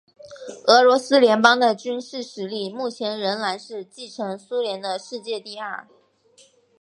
俄罗斯联邦的军事实力目前仍然是继承苏联的世界第二。